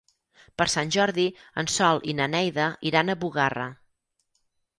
Per Sant Jordi en Sol i na Neida iran a Bugarra.